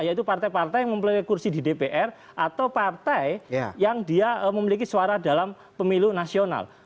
yaitu partai partai yang mempunyai kursi di dpr atau partai yang dia memiliki suara dalam pemilu nasional